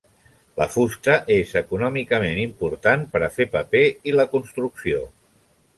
La fusta és econòmicament important per a fer paper i la construcció.